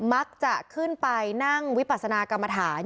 มักจะขึ้นไปนั่งวิปัสนากรรมฐาน